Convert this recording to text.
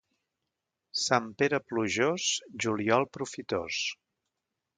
Sant Pere plujós, juliol profitós.